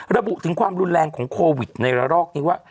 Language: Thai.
ระบุถึงความรุนแรงของโควิดในระลอกนี้ว่า